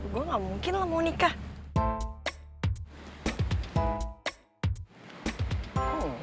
gua nggak mungkin lah mau nikah